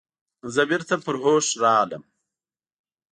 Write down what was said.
زه بیرته پر هوښ راغلم.